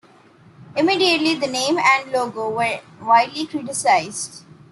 Immediately, the name and logo were widely criticized.